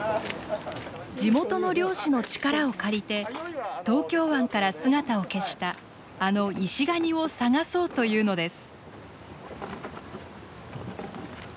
地元の漁師の力を借りて東京湾から姿を消したあのイシガニを探そうというのです。